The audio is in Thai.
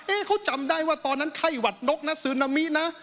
เอ๊ะเค้าจำได้ว่าตอนนั้นไข่หวัดนกนะสินามินะ